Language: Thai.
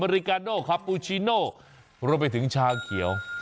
เอาอย่างนี้แต่มันมีให้ดื่มเนี่ย